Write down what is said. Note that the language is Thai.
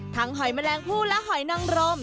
หอยแมลงผู้และหอยนังรม